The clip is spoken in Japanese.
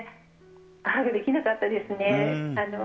ハグできなかったですね。